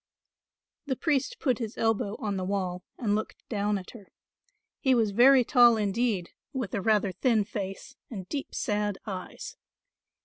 The priest put his elbow on the wall and looked down at her. He was very tall indeed, with a rather thin face and deep sad eyes.